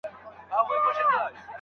املا د الفاظو په سم کارولو کي مرسته کوي.